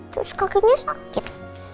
terus kakinya sakit